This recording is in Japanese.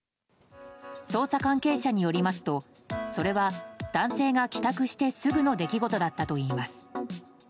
捜査関係者によりますとそれは男性が帰宅してすぐの出来事だったといいます。